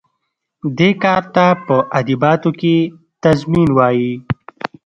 دې کار ته په ادبیاتو کې تضمین وايي.